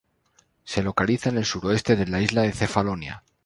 Se localiza en el suroeste de la isla de Cefalonia.